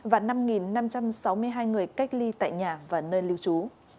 và năm năm trăm sáu mươi hai người cách ly tại nhà và nơi lưu trú